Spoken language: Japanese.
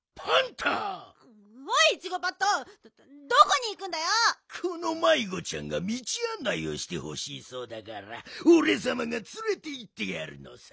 このまいごちゃんがみちあんないをしてほしいそうだからおれさまがつれていってやるのさ。